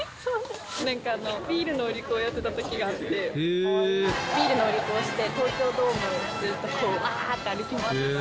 なんかビールの売り子やってたときがあって、ビールの売り子をして、東京ドーム、ずっとあーって歩き回って。